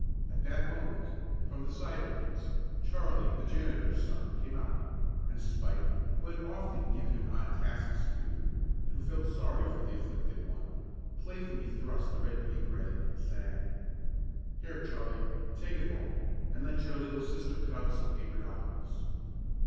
At that moment, from the side entrance, Charlie, the janitor's son, came out, and Spike, who had often given him odd tasks to do, and who felt sorry for the afflicted one, playfully thrust the red paper at him, saying: "Here, Charlie, take it home, and let your little sister cut out some paper dolls."